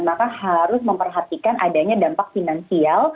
maka harus memperhatikan adanya dampak finansial